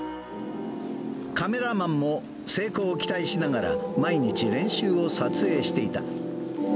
カメラマンも成功を期待しながら、毎日練習を撮影していた。